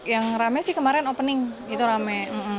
yang rame sih kemarin opening itu rame